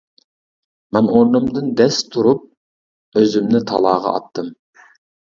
مەن ئورنۇمدىن دەس تۇرۇپ ئۆزۈمنى تالاغا ئاتتىم.